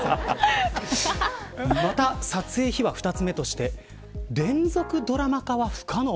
また撮影秘話２つ目として連続ドラマ化は不可能。